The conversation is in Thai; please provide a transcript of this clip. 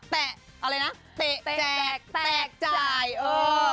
อะไรนะเตะแจกแตกจ่ายเออ